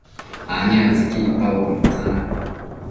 aniactsëqui icpaboc mitsana